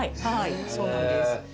そうなんです。